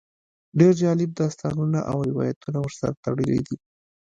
ډېر جالب داستانونه او روایتونه ورسره تړلي دي.